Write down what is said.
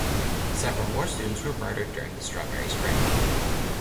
Several more students were murdered during the strawberry spring.